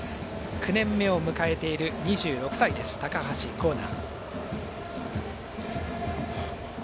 ９年目を迎えている２６歳、高橋光成。